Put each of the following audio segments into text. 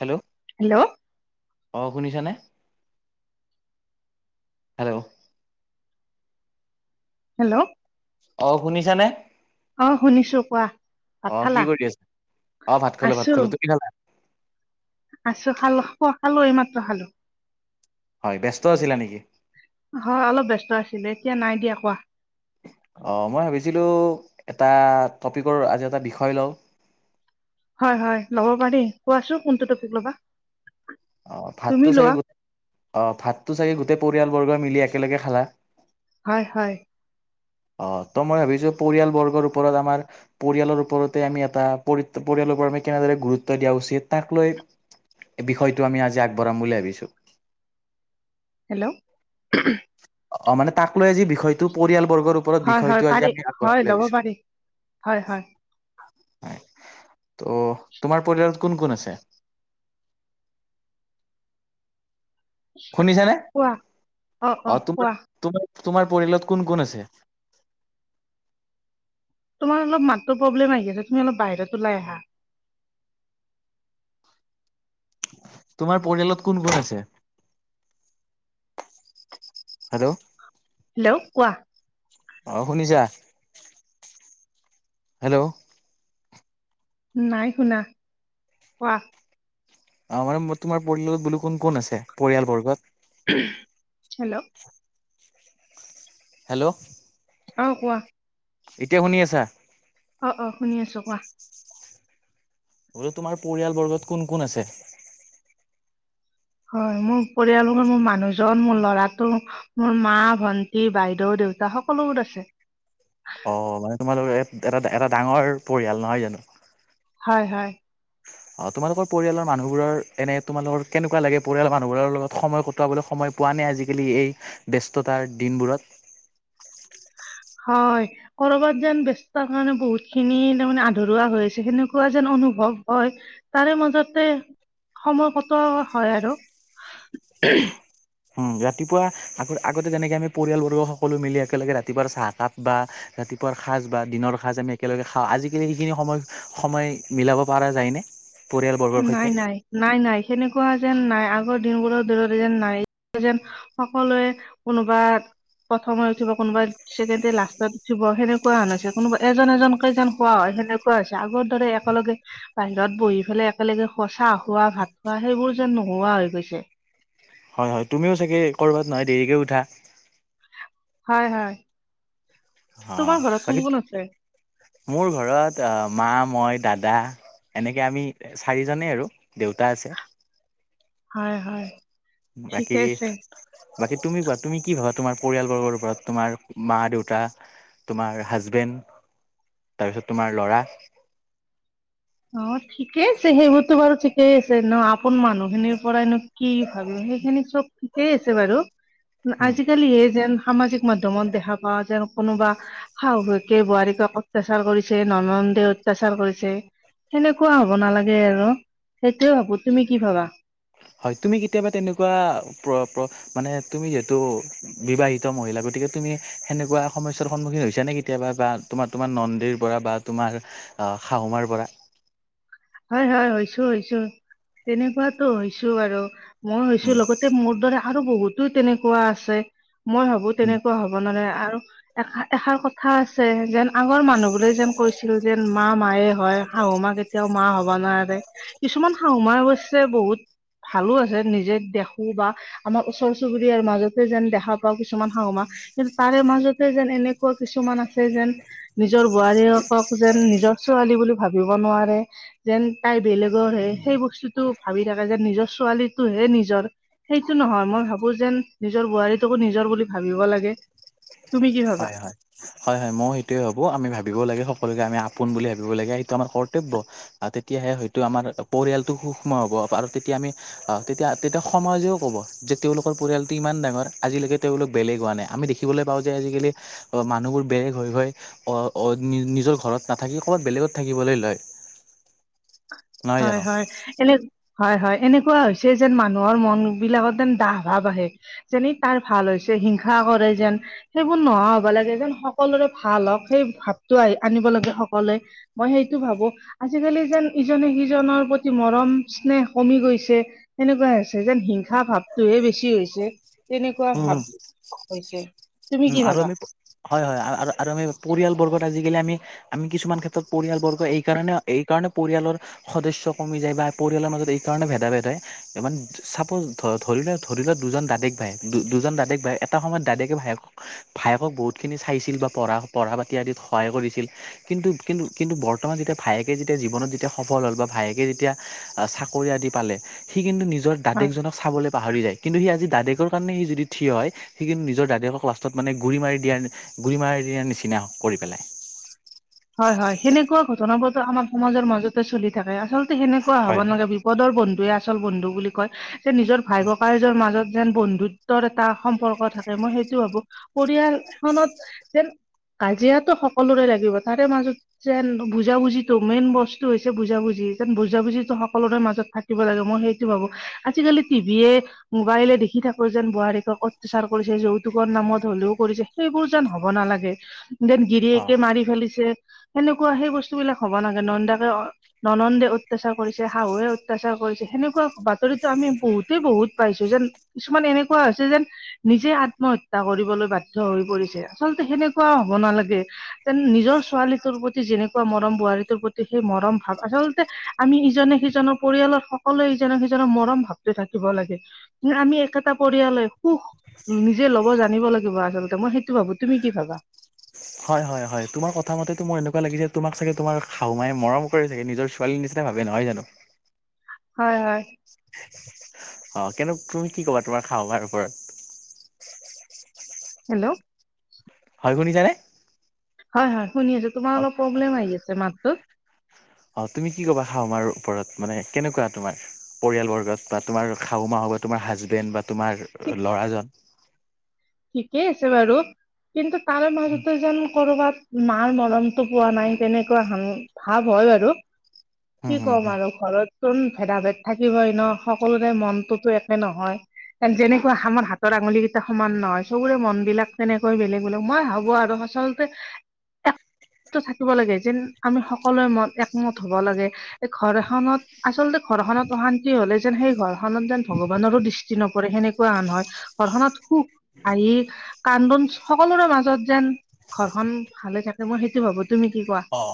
Hello hello অ শুনিছানে। Hello. Hello. অ শুনিছানে। অ শুনিছো কোৱা ভাত অ কি খালা কৰি আছে অ ভাত খালো ভাত আছো খালো তু কি খালা আছো খালো খালো এইমাত্ৰ খালো। হয়। ব্যস্ত আছিলা নেকি? হয় অলপ ব্যস্ত আছিলে এতিয়া নাই দিয়া কোৱা। অ মই ভাবিছিলো এটা টপিকৰ আজি এটা বিষয় লওঁ। [unintelligible] হয় হয় ল'ব পাৰি কোৱাছো কোনটো টপিক ল'বা অ তুমি ভাতটো চাগে লোৱা অ ভাতটো চাগে গোটেই পৰিয়ালবৰ্গই মিলি একেলগে খালা। হয় হয়। অ ত মই ভাবিছো পৰিয়ালবৰ্গৰ ওপৰত আমাৰ পৰিয়ালৰ ওপৰতে আমি এটা পৰি পৰিয়াল ম কেনেদৰে গুৰুত্ব দিয়া উচিত তাক লৈ এই বিষয়টো আমি আজি আগবঢ়াম বুলি ভাবিছোঁ। হেল্ল'। অ মানে তাক লৈ আজি বিষয়টো পৰিয়ালবৰ্গৰ ওপৰত হয় হয় বিষয়টো আজি পাৰি আমি আগবঢ়াব হয় বুলি ল'ব ভাবিছো পাৰি হয় হয় হয় ত' তোমাৰ পৰিয়াল কোন কোন আছে শুনিছ নে কোৱা অ তুমি তুমি তোমাৰ পৰিয়ালত কোন কোন আছে? তোমাৰ অলপ মাতো প্ৰব্লেম আহি আছে তুমি অলপ বাহিৰত ওলাই আহা। তোমাৰ পৰিয়ালত কোন কোন আছে? হেল্ল' হেল্ল' কোৱা অ', শুনিছা? হেল্ল' নাই শুনা কোৱা আমাৰ তোমাৰ পৰিয়ালত বোলো কোন কোন আছে পৰিয়ালবৰ্গত? হেল্ল' হেল্ল' অ', কোৱা এতিয়া শুনি আছা? অ', - অ', শুনি আছোঁ কোৱা বোলো তোমাৰ পৰিয়াল বৰ্গত কোন কোন আছে? হয় মোৰ পৰিয়ালৰ মোৰ মানুহজন, মোৰ ল'ৰাটো মোৰ মা, ভন্টি, বাইদেউ দেউতা সকলোবোৰ আছে। অ', মানে তোমালোকৰ এটা এটা ডাঙৰ পৰিয়াল নহয় জানো। হয়-হয়। অ', তোমালোকৰ পৰিয়ালৰ মানুহবোৰৰ এনে তোমালোকৰ কেনেকুৱা লাগে পৰিয়ালৰ মানুহবোৰৰ লগ সময় কটোৱাবলৈ সময় সময় পোৱা নাই আজিকালি এই ব্যস্ততাৰ দিনবোৰত? হয় কৰবাত যেন ব্যস্তৰ কাৰণে বহুত খিনি তাৰমানে আধৰুৱা হৈ আছে সেনেকুৱা যেন অনুভৱ হয় তাৰে মাজতে সময় কটোৱা হয় আৰু [inaudible] উম ৰাতিপুৱা আগ আগতে যেনেকে আমি পৰিয়ালবৰ্গ সকলো মিলি একেলগে ৰাতিপুৱা চাহকাপ বা ৰাতিপুৱা সাজ বা দিনৰ সাজ আমি একেলগে খাওঁ আজিকালি সেইখিনি সময়-সময় মিলাব পৰা যায়নে? পৰিয়ালবৰ্গৰ সৈতে নাই-নাই-নাই-নাই সেনেকুৱা যেন নাই আৰু দিনবোৰৰ দূৰত যেন নাই যেন সকলোৱে কোনোবা প্ৰথমে উঠিব কোনোবা, ছেকেণ্ডটোৱে লাষ্টত উঠিব সেনেকুৱা হৈছে কোনোবা এজন এজনকেই যেন শুৱা হয় সেনেকুৱা হৈছে আগৰ দৰে একেলগে বাহিৰত বহি পেলাই একেলগে সঁচা খুৱোৱা ভাত খোৱা সেইবোৰ যেন নোহোৱা হৈ গৈছে। হয়-হয় তুমিও চাগে কৰবাত নহয় দেৰিকে উঠা? হয়-হয়। অ', বাকী মোৰ ঘৰত আহ মা, মই দাদা এনেকে আমি চাৰিজনেই আৰু দেউতা আছে। হয়-হয় বাকী বাকী তুমি তুমি কি ভাবা তোমাৰ পৰিয়ালবৰ্গৰ ওপৰত তোমাৰ মা দেউতা তোমাৰ হাজবেণ্ড তাৰপিছত তোমাৰ ল'ৰা অ', ঠিকেই আছে সেইবোৰতো বাৰু ঠিকেই আছে ন আপোন মানুহখিনিৰ পৰাইনো কি ভাবিম সেইখিনিক চব ঠিকেই আছে বাৰু উম। আজিকালিহে যেন সামাজিক মাধ্যমত দেখা পাওঁ যেন কোনোবা শাহুৱেকে বোৱাৰীক অত্যাচাৰ কৰিছে ননদ ননন্দে অত্যাচাৰ কৰিছে সেনেকুৱা হ'ব নালাগে আৰু সেইটোৱে ভাবো তুমি কি ভাবা? হয় তুমি কেতিয়াবা তেনেকুৱা প্ৰ প্ৰ মানে তুমি যিহেতু বিবাহিত মহিলা গতিকে গতিকে তুমি সেনেকুৱা সমস্যাৰ সন্মুখীন হৈছা নেকি কেতিয়াবা বা তোমাৰ তোমাৰ নন্দিৰ পৰা বা তোমাৰ শাহুমাৰ পৰা হয় হয় হৈছো তেনেকুৱাতো হৈছো বাৰু মই উম, হৈছো লগতে মোৰ দৰে আৰু বহুতো এইটো তেনেকুৱা আছে মই ভাবো উম। তেনেকুৱা হ'ব নালাগে আৰু এ এষাৰ কথা আছে যেন আগৰ মানুহ বোৰে যেন কৈছিল যেন মা মায়ে হয়। হয় শাহু মাক কেতিয়াও মা হ'ব নোৱাৰে। কিছুমান শাহু মাৰ অৱশ্যে বহুত ভালো আছে নিজে দেখো বা আমাৰ ওচৰ চুবুৰীয়াৰ মাজতে যেন দেখা পাওঁ কিছুমান শাহু মা। কিন্তু তাৰে মাজতে যেন এনেকুৱা কিছুমান আছে যেন নিজ নিজৰ বোৱাৰীয়েকক যেন নিজৰ ছোৱালী বুলি ভাবিব নোৱাৰে যেন তাই বেলেগৰ হে, সেই বস্তুতটো ভাবি থাকে যেন নিজৰ ছোৱালীটোহে নিজৰ। সেইটো নহয় মই ভাবো যেন, নিজৰ বোৱাৰীটোকো নিজৰ নিজৰ বুলি ভাবিব লাগে। তুমি কি ভাবা? হয়, হয়। হয়, হয়। মই সেইটোয়ে ভাবো আমি ভাবিব লাগে স সকলোকে আমি আপোন বুলি ভাবিব লাগে সেইটো আমাৰ কৰ্তব্য। অহ, তেতিয়াহে হয়টো আমাৰ পৰিয়ালটো সুক্ষ্ম হ'ব। আৰু তেতিয়া আমি অহ, তেতিয়া-তেতিয়া সমাজেও ক'ব যে তেওঁলোকৰ পৰিয়ালটো ইমান ডাঙৰ আজিলৈকে তেওঁ বেলেগ হোৱা নাই আমি দেখিবলৈ পাওঁ যে আজি আজিকালি মানুহবোৰ বেলেগ হৈ গৈ‌ অহ, নিজৰ ঘৰত নাথাকি ক'ৰবাত বেলেগত থাকিবলৈ লয়। [unintelligible] হয়, হয়। এনে, হয় হয়। এনেকুৱা হৈছে যেন মানুহৰ মন বিলাকত যেন দাহ ভাব আহে, যেনে তাৰ ভাল হৈছে হিংসা কৰে যেন সেইবোৰ নোহোৱা হ'ব লাগে যেন, সকলোৰে ভাল হওঁক সেই ভাৱটো আহ আনিব লাগে সকল সকলোৱে, মই সেইতো ভাবো আজিকালি যেন ইজনে সিজনৰ প্ৰতি মৰম স্নেহ কমি গৈছে, সেনেকুৱা হৈছে যেন হিংসা ভাৱটোহে বেছি বেছি হৈছে, তেনেকুৱা উম ভাব হৈছে। তুমি কি উম' আৰু ভাবা আমি, হয় হয়। আৰু-আৰু আমি পৰিয়াল বৰ্গত আজি থাকিলে আমি, আমি কিছুমান ক্ষেত্ৰত পৰিয়ালবৰ্গ এই কাৰণে, এই কাৰণে পৰিয়ালৰ সদস্য কমি যায় বা পৰিয়ালৰ মাজত এইকাৰণে ভেদাভেদ হয় ই চাপজ ধৰিল ধৰিলোৱা দুজন দাদেক ভাই, দুজন দাদেক ভাই এটা সময়ত দাদেকে ভাইেকক ভায়েকক বহুতখিনি চাইছিল বা পঢ়া, পঢ়া পাতি আদিত সহায় কৰিছিল কিন্তু, কিন্তু, কিন্তু বৰ্তমান যেতিয়া ভায়েকে যেতিয়া জীৱনত যেতিয়া সফল হ'ল বা ভায়েকে যেতিয়া চাকৰি আদি পালে, সি কিন্তু নিজ নিজৰ অ দাদেক জনক চাবলৈ পাহৰি যায়, কিন্তু সি আজি দাদেকৰ কাৰণে সি যদি থিয় হৈ, সি কিন্তু নিজৰ দাদেকক মানে গুৰি মাৰি দিয়া, গুৰি মাৰি দিয়াৰ নিচিনা কৰি পেলাই। হয় হয় সেনেকুৱা ঘটনাবোৰতো আমাৰ সমাজৰ মাজতে চলি থাকে, আচলতে সেনেকুৱা হ'ব হয়। নালগে বিপদৰ বন্ধুৱে আচল বন্ধু বুলি কয়। যে নিজৰ ভাই ককাই এজৰ মাজত যেন বন্ধুত্বৰ এটা সম্পৰ্ক থাকে, মই সেইটো ভাবো পৰিয়াল খনত যেন কাজিয়াটো সকলোৰে লাগিব। তাৰে মাজত যেন বুজাবুজিটো মেইন বস্তু হৈছে বুজাবুজি যেন বুজাবুজিটো সকলোৰে মাজত থাকিব লাগে মই সেইটো ভাবো, আজিকালি টিভিয়ে মোবাইলে দেখি থাকো যেন বোৱাৰীক ঐত্যাচাৰ যৌতুকৰ নামত হ'লেও কৰিছে, সেইবোৰ যেন হ'ব নালাগে। যেন অ গিৰিয়েকে মাৰি ফেলি চে, সেনেকুৱা সেই বস্তু বিলাক হ'ব নালগে নন্দাকে-ননন্দে অত্যাচাৰ কৰিছে, শাহুৱে অত্যা অত্যাচাৰ কৰিছে সেনেকুৱা বাতৰিতো আমি বহুতেই বহুত পাইছো, যেন কিছুমান এনেকুৱা হৈছে যেন নিজে আত্মহত্যা কৰিবলৈ বাধ্য হৈ পৰিছে। আচলতে সেনেকুৱা হ'ব নালাগে যেন নিজৰ ছোৱালীটোৰ প্ৰতি যেনেকুৱা মৰম, বোৱাৰীটোৰ প্ৰতি সেই মৰম ভাৱ আচলতে, আমি ইজনে সিজনৰ পৰিয়াল সকলোৱে ইজক সিজক মৰম ভাৱটো থাকিব লাগে, আমি একেটা পৰিয়ালে সুখ নিজে ল'ব জানিব লাগিব আচলতে, মই সেইটো ভাবো। তুমি কি ভাবা? হয়, হয়, হয়। তোমাৰ কথা কথামতে মোৰ এনেকুৱা লাগি যে, তোমাক চাগে তোমাৰ শাহুমাই মৰম কৰে চাগে, নিজৰ ছোৱালীৰ নিচিনা ভাবে নহয় জানো। [unintelligible] হয়, হয়। অহ' কিন্তু তুমি কি কবা তোমাৰ শাহুমাৰ ওপৰত। হেল্ল'। হয়, শুনিছা নে। হয়, হয়, শুনি আছো। তোমাৰ অলপ প্ৰব্লেম আহি আছে মাতটোত। অহ' তুমি কি কবা শাহুমাৰ ওপৰত মানে কেনেকুৱা, তোমাৰ পৰিয়াল বৰ্গত বা তোমাৰ শাহুমা। হ'ব তোমাৰ হাজবেণ্ড বা তোমাৰ ঠিক ল'ৰাজন। ঠিকেই আছে বাৰু, কিন্তু তাৰ মাজতে যেন কৰবাত মাৰ মৰমটো পোৱা নাই, তেনেকুৱা ভাৱ হয় বাৰু। হুম কি হুম কম হুম আৰু ঘৰত ন ভেদা-ভেদ থাকিবই ন। সকলোৰে মনটোতো একে নহয়। যেনেকুৱা আমাৰ হাতৰ আঙুলি কেইটা সমান নহয়। চবৰে মন বিলাক তেনেকৈ বেলেগ বেলেগ। মই ভাবো আৰু আচলতে থাকিব লাগে, যেন আমি সকলোৱে মত একমত হব লাগে। এই ঘৰ এখনত আচলতে ঘৰখনত অশান্তি হলে যেন সেই ঘৰ ঘৰখনত যেন ভগৱানৰো দৃষ্টি নপৰে, সেনেকুৱা আন হয়। ঘৰখননত সুখ হাহি- কান্দোন সকলোৰে মাজত যেন ঘৰখনন ভালে থাকে মই সেইটো ভাবো। তুমি কি কোৱা অ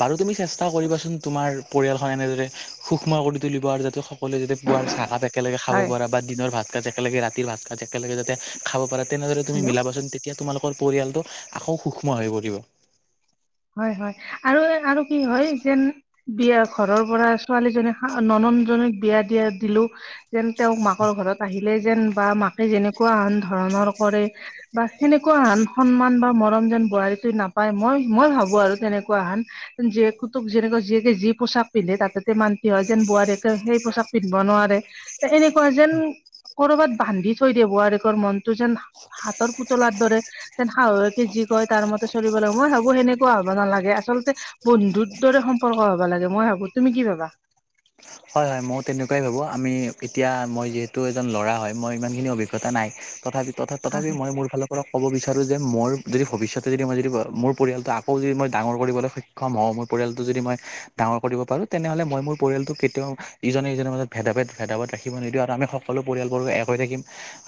বাৰু তুমি চেষ্টা কৰিবাচোন, তোমাৰ পৰিয়াল খন এনেদৰে সুক্ষ্ম কৰি তুলিব আৰু যাতে সকলোৱে যাতে পুৱাৰ চাহাপ একেলগে খাব হয় পৰা বা দিনৰ ভাত একেলগে ৰাতিৰ ভাত সাঁজ একেলগে যাতে খাব পাৰে, তেনেদৰে তুমি হেল্ল' মিলাবাচোন। তেতিয়া তোমালোক পৰিয়ালটো আকৌ সূক্ষ্ম হৈ পৰিব। হয়। হয়। আৰু আৰু কি হয়, যেন বিয়া ঘৰৰ পৰা ছোৱালীজননে ননন জন বিয়া দিয়া দিলো, যেন তেওঁক মাকৰ ঘৰত আহিলে যেন বা মাকে যেনেকুৱা আন ধৰণৰ কৰে বা সেনেকুৱা আন সন্মান বা মৰম যেন বোৱাৰী তোৱ নাপায় মই মই ভাবো আৰু তেনেকুৱা হানন জকুটোক যেনেকুৱ জীয়েকেি পোচাক পিন্ধে তাতে মান্ত হয় যেন বোৱোৱাৰী সেই পোচাক পিন্ধব নোৱাৰে, এনেকুৱা যেন কৰবাত বান্ধি থৈ দিয়ে ৱোৱাৰীয়েকৰ মনতটো যেন হাতৰ পুতলাৰ দৰে তেন শাহুেকে যি কয় তাৰ মতে চলিব লাগে মই ভাব সেনেকুৱা হ'ব নালাগে। আচলতে বন্ধুৰ দৰে সম্পৰ্ক হবা লাগে, মই ভাবো। তুমি কি ভাবা? উ [unintelligible] হয়। হয়। মইও তেনেকুৱাই ভাবো। আমি এতিয়া মই যিহেতু এজন ল'ৰা হয়, মই ইমানখিনি অভিজ্ঞতা নাই। তথাপিত তথ তথাপি মই মোৰ ফালৰ পৰা ক'ব বিচাৰোঁ যে মোৰ যদি ভৱিষ্যতে যদি মই যদি মোৰ পৰিয়ালটো আকৌ যদি মই ডাঙৰ কৰিবলৈ সক্ষম হওঁ মোৰ পৰিয়ালটো যদি মই ডাঙৰ কৰিব পাৰো তেনেহ'লে মই মোৰ পৰিয় তেওঁ ইজনে ইজনৰ মাজত ভেদাভেদ ভেদাভদ ৰাখিব নিদিওঁ আৰু আমি সকলো পৰিয়ালবোৰ এক হৈ থাকিম।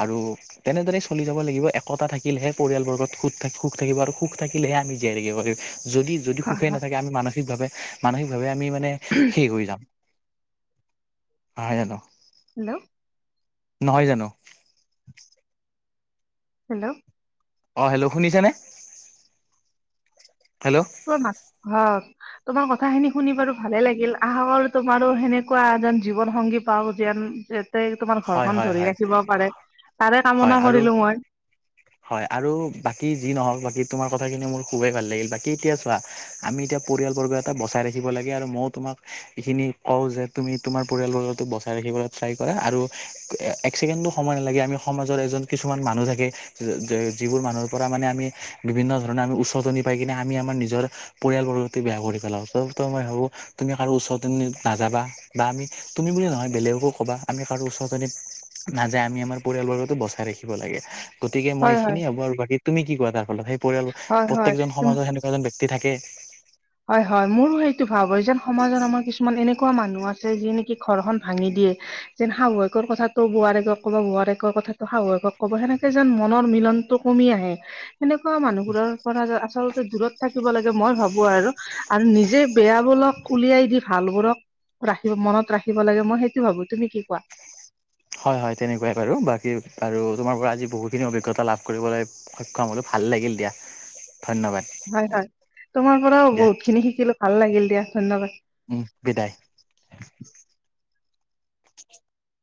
আৰু তেনেদৰে চলি যাব লাগিব একতা থাকিলেহে পৰিয়ালবৰ্গত সুত থাকি সুখ থাকিব আৰু সুখ থাকিলেহে আমি জীয়াই ৰাকিব পাৰিম যদি, যদি হয় সুখে হয় নাথাকে আমি মানসিকভাৱে মানসিকভাৱে আমি মানে শেষ হৈ যাম। নহয় জান? হেল্ল' নহয় জানো? হেল্ল' অ হেল্ল' শুনিছানে? ক অ [unintelligible] তোমাৰ কথা খিনি শুনি বাৰু ভালে লাগিল। আশা কৰো তোমাৰো সেনেকুৱা এজন জীৱন সংগী পাও যে তে তোমাৰ হয় ঘৰখন হয় ধৰি হয় ৰাখিব পাৰে। তাৰে হয় কামনা আৰু কৰিলো মই হয় আৰু বাকী যি নহওক, বাকী তোমাৰ কথাখিনি মোৰ খুবেই ভাল লাগিল। বাকি এতিয়া চোৱা আমি এতিয়া পৰিয়াল বৰ্গ এটা বচাই ৰাখিব লাগে আৰু ময়ো তোমাক এইখিনি কওঁ যে তুমি তোমাৰ পৰিয়ালবৰ্গো বচাই ৰাখিবলে ট্ৰাই কৰা আৰু এক ছেকেণ্ডো সময় নালাগে আমি সমাজৰ এজন কিছুমান মানুহ থাকে যিবোৰ মানুহৰ পৰা মানে আমি বিভিন্ন ধৰণে আমি উচতনি পাই কিনে আমি আমাৰ নিজৰ পৰিয় বেয়া কৰি পেলাও। ত তই মই ভাবো তুমি কাৰো ওচৰত নাযাবা বা আমি তুমি বুলি নহয় বেলেগকো কবা আমি কাৰো ওচনিত নাযায় আমি আমাৰ পৰিয়ালবৰ্গতো বচাই ৰাখিব লাগে। গতিকে মই হয় হয় এইখিনিয়ে হ'ব। আৰু বাকী তুমি কি কোৱা? তাৰ ফলত সেই পৰিয়াল হয় প্ৰত্যয়েকজন হয় সমাজৰ সেনেকুৱা এজন ব্যক্তি থাকে হয়। হয়। মোৰো সেইটো ভাৱ হয় যেন সমাজত আমাৰ কিছুমান এনেুৱা এনেকুৱা মানুহ আছে যি নেকি ঘৰখন ভাঙি দিয়ে। যেন শাহুুৱেকৰ কথাটো বোৱাৰীক ক'ব বোৱাৰীয়েকক কথাটো শাহুৱেকক ক'ব। সেনেকে যেন মনৰ মিলনটো কমি আহে সেনেকুৱা মানুহবোৰৰ পৰা আচলতে দূৰত থাকিব লাগে মই ভাবো আৰু আৰু নিজে বেয়া বোলক উলিয়াই দি ভাল বোৰক ৰাখিব মনত ৰাখিব লাগে মই সেইটো ভাবো। তুমি কি কোৱা? হয় হয় তেনেকুৱাই বাৰু বাকী আৰু তোমাৰ পৰা আজি বহুতখিনি অভিজ্ঞতা লাভ কৰিবলৈ সক্ষম হ'লো ভাল লাগিল দিয়া ধন্যবাদ হয় হয় তোমাৰ পৰাও দিয়া বহুত খিনি শিকিলো ভাল লাগিল দিয়া ধন্যবাদ উম বিদায় [inaudible]